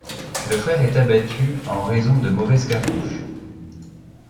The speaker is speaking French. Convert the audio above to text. Le frère est abattu en raison de mauvaises cartouches.